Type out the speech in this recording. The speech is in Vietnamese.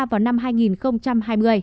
vào năm hai nghìn hai mươi